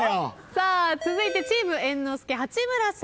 続いてチーム猿之助八村さん。